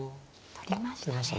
取りましたね。